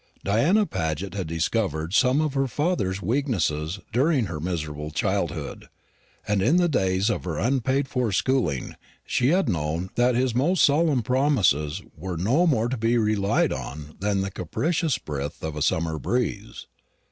Diana Paget had discovered some of her father's weaknesses during her miserable childhood; and in the days of her unpaid for schooling she had known that his most solemn promises were no more to be relied on than the capricious breath of a summer breeze.